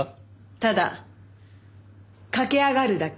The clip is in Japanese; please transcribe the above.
ただ駆け上がるだけ。